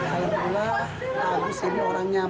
alhamdulillah bagus ini orangnya berubah